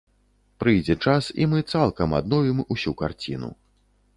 Прыйдзе час, і мы цалкам адновім усю карціну.